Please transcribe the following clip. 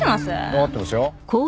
わかってますよ。